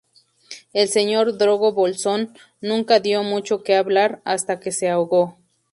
El señor Drogo Bolsón nunca dio mucho que hablar, hasta que se ahogó.